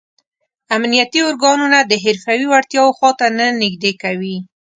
امنیتي ارګانونه د حرفوي وړتیاو خواته نه نږدې کوي.